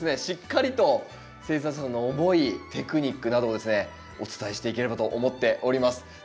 しっかりと生産者さんの思いテクニックなどですねお伝えしていければと思っております。